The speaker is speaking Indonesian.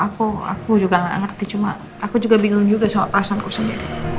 aku aku juga gak ngerti cuma aku juga bingung juga sama perasaanku sendiri